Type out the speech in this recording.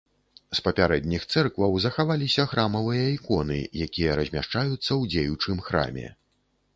З папярэдніх цэркваў захаваліся храмавыя іконы, якія размяшчаюцца ў дзеючым храме.